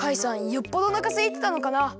よっぽどおなかすいてたのかな。